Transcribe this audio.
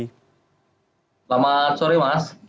selamat sore mas